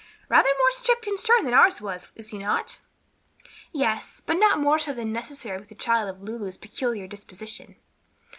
"Rather more strict and stern than ours was, is he not?" "Yes, but not more so than necessary with a child of Lulu's peculiar disposition."